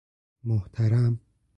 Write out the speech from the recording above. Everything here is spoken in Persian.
محترم